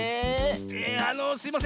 いやあのすいません。